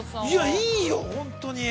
◆いいよ、本当に。